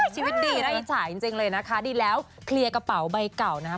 ชีวิตดีน่าอิจฉาจริงเลยนะคะดีแล้วเคลียร์กระเป๋าใบเก่านะครับ